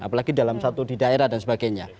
apalagi dalam satu di daerah dan sebagainya